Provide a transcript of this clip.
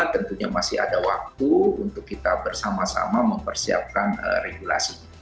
tentunya masih ada waktu untuk kita bersama sama mempersiapkan regulasi